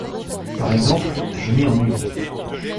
Par exemple !… Je m'y ennuie.